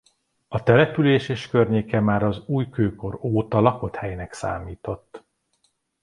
A település és környéke már az újkőkor óta lakott helynek számított.